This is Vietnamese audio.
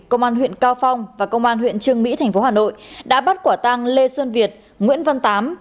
công an huyện cao phong và công an huyện trương mỹ tp hcm đã bắt quả tăng lê xuân việt nguyễn văn tám